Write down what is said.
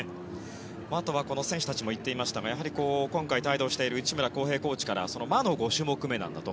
あとは選手たちも言っていましたが今回帯同している内村航平コーチから魔の５種目めなんだと。